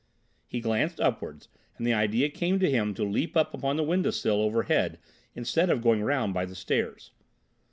He glanced upwards and the idea came to him to leap up upon his window sill overhead instead of going round by the stairs.